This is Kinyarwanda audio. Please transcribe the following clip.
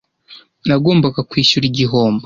Nagombaga kwishyura igihombo.